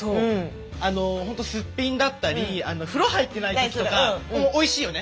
ほんとすっぴんだったり風呂入ってない時とかおいしいよね